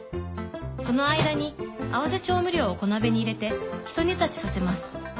その間に合わせ調味料を小鍋に入れてひと煮立ちさせます。